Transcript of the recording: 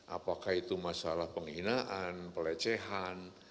apakah itu masalah penghinaan pelecehan